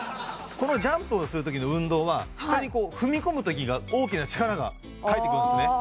このジャンプをするときの運動は下に踏み込むときが大きな力が返ってくるんですね